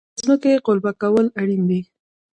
د ځمکې قلبه کول اړین دي.